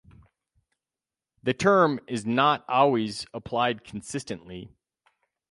The term is not always applied consistently.